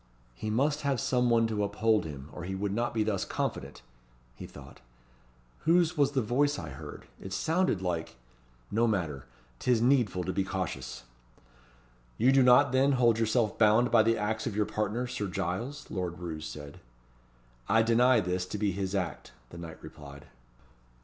"He must have some one to uphold him, or he would not be thus confident," he thought. "Whose was the voice I heard? It sounded like No matter! 'Tis needful to be cautious." "You do not, then, hold yourself bound by the acts of your partner, Sir Giles?" Lord Roos said. "I deny this to be his act," the knight replied.